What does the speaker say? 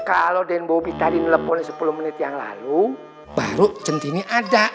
kalau den bobi tadi nge telepon sepuluh menit yang lalu baru cendini ada